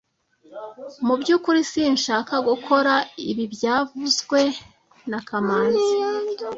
Mu byukuri sinshaka gukora ibi byavuzwe na kamanzi